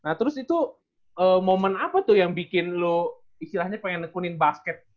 nah terus itu momen apa tuh yang bikin lu pengen ngekunin basket